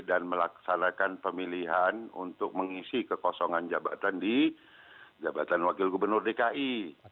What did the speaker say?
dan melaksanakan pemilihan untuk mengisi kekosongan jabatan di jabatan wakil gubernur dki